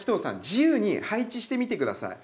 自由に配置してみて下さい。